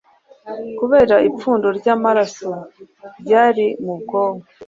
kubera ipfundo ry’amaraso ryari mu bwonko